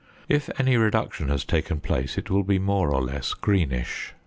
If any reduction has taken place it will be more or less greenish.